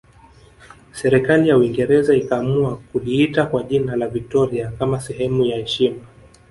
Serikali ya Uingereza ikaamua kuliita kwa jina la Victoria kama sehemu ya heshima